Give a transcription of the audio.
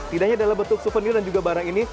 tidak hanya dalam bentuk souvenir dan juga barang ini